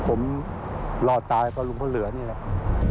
ผมรอดตายกับหลวงพ่อเหลือนี่แหละ